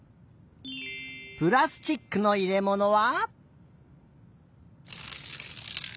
プラスチックのいれものは？